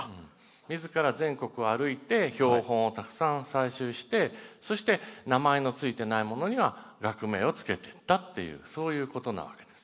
みずから全国を歩いて標本をたくさん採集してそして名前の付いてないものには学名を付けていったっていうそういうことなわけです。